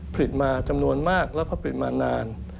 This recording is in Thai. ผลิตมาจำนวนมากแล้วก็ผลิตมานาน